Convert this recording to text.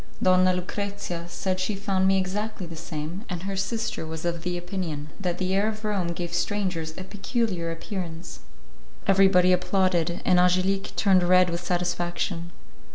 Donna Lucrezia said that she found me exactly the same, and her sister was of opinion that the air of Rome gave strangers a peculiar appearance. Everybody applauded, and Angelique turned red with satisfaction.